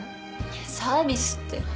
いやサービスって。